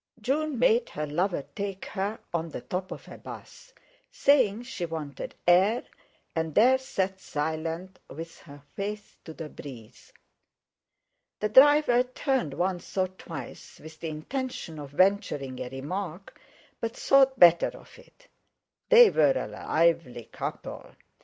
June made her lover take her on the top of a 'bus, saying she wanted air, and there sat silent, with her face to the breeze. The driver turned once or twice, with the intention of venturing a remark, but thought better of it. They were a lively couple!